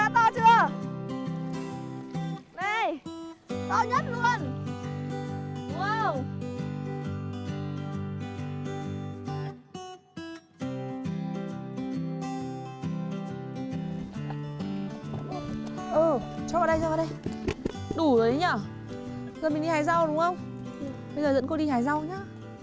bây giờ dẫn cô đi hải rau nhé